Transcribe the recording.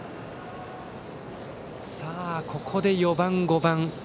さあ、ここで４番、５番。